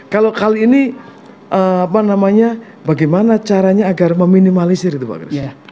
kalau kali ini bagaimana caranya agar meminimalisir itu pak gris